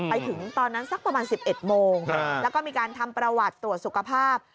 ไปถึงตอนนั้นสักประมาณ๑๑โมงแล้วก็มีการทำประวัติตรวจสุขภาพ